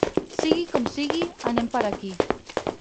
Sigui com sigui, anem per aquí.